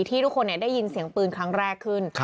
ที่ทุกคนได้ยินเสียงปืนครั้งแรกขึ้น